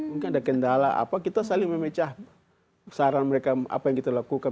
mungkin ada kendala apa kita saling memecah saran mereka apa yang kita lakukan